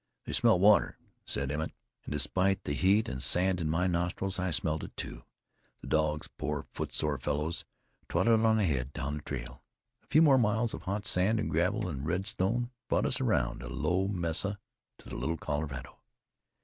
"They smell water," said Emmett. And despite the heat, and the sand in my nostrils, I smelled it, too. The dogs, poor foot sore fellows, trotted on ahead down the trail. A few more miles of hot sand and gravel and red stone brought us around a low mesa to the Little Colorado.